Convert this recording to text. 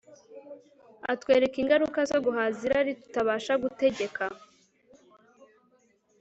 Atwereka ingaruka zo guhaza irari tutabasha gutegeka